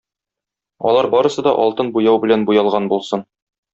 Алар барысы да алтын буяу белән буялган булсын.